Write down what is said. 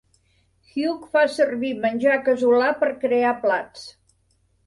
Hugh fa servir menjar casolà per crear plats.